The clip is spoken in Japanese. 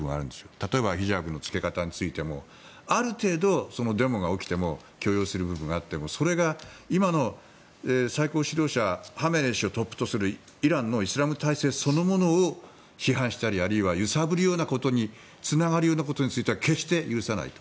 例えばヒジャブの着け方についてもある程度、デモが起きても許容する部分があってもそれが今の最高指導者ハメネイ師をトップとするイランのイスラム体制そのものを批判したりあるいは揺さぶるようなことにつながるようなことについては決して許さないと。